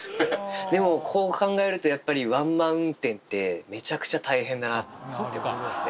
でも、こう考えると、やっぱりワンマン運転って、めちゃくちゃ大変だなと思いますね。